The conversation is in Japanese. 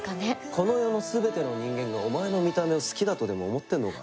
この世の全ての人間がお前の見た目を好きだとでも思ってんのか？